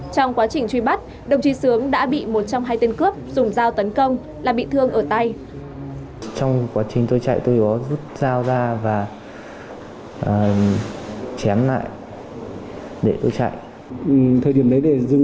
trong quá trình truy bắt đồng chí sướng đã bị một trong hai tên cướp dùng dao tấn công